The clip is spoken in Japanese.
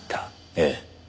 ええ。